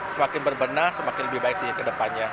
semakin berbenah semakin lebih baik sih ke depannya